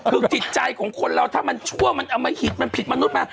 คือจิตใจของคนเราถ้ามันชั่วมันอมหิตมันผิดมนุษย์มา